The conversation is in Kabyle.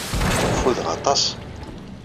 Ffudeɣ aṭas.